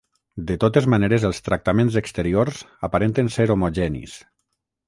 De totes maneres els tractaments exteriors aparenten ser homogenis.